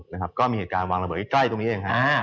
อย่างอีกอาทิตย์ท่านวางระเบิดใกล้ตรงนี้